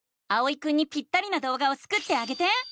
あおいくんにぴったりなどうがをスクってあげて！